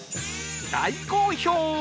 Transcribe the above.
大好評！